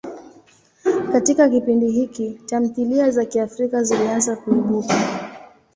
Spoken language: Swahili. Katika kipindi hiki, tamthilia za Kiafrika zilianza kuibuka.